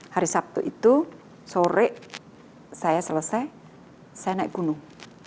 hari sabtu itu sore saya selesai saya naik gunung